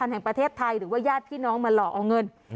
เหรอว่าย่้านพี่น้องมาหลอกเอาเงิน